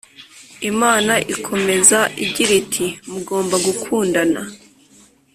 Imana ikomeza igira iti mugomba gukundana